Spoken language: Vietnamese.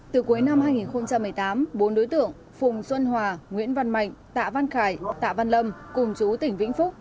từ cuối năm hai nghìn một mươi tám bốn đối tượng phùng xuân hòa nguyễn văn mạnh tạ văn khải tạ văn lâm cùng chú tỉnh vĩnh phúc